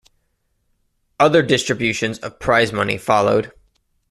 Other distributions of prize money followed.